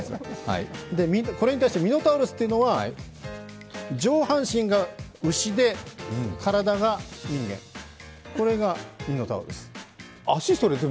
これに対してミノタウロスというのは、上半身が牛で体が人間、これがミノタウロス。